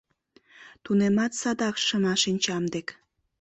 Тунемат садак шыма шинчам дек.